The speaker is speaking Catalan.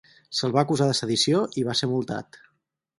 Se'l va acusar de sedició i va ser multat.